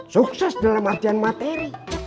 sukses dalam artian materi